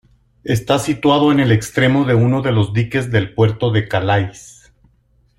Está situado en el extremo de uno de los diques del puerto de Calais.